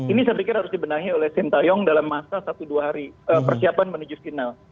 ini saya pikir harus dibenahi oleh sintayong dalam masa satu dua hari persiapan menuju final